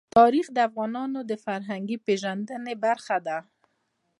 تاریخ د افغانانو د فرهنګي پیژندنې برخه ده.